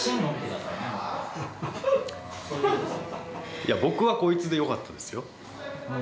いや、僕はこいつでよかったですよ。